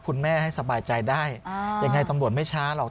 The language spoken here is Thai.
คุณแม่ให้สบายใจได้ยังไงตำรวจไม่ช้าหรอก